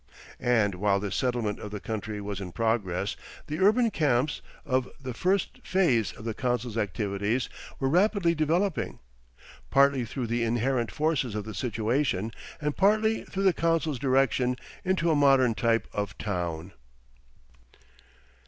And while this settlement of the country was in progress, the urban camps of the first phase of the council's activities were rapidly developing, partly through the inherent forces of the situation and partly through the council's direction, into a modern type of town....